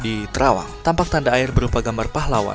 di terawang tampak tanda air berupa gambar pahlawan